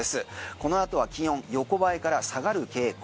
この後は気温横ばいから下がる傾向。